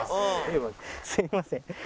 すみません。